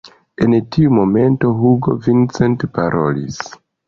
En tiu momento Hugo Vincent parolis: